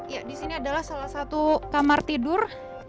ya di sini adalah salah satu kamar tidur